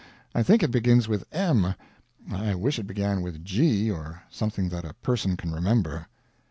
I think it begins with M. I wish it began with G. or something that a person can remember.